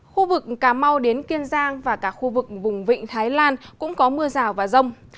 khu vực cà mau đến kiên giang và cả khu vực vùng vịnh thái lan cũng có mưa rào và rông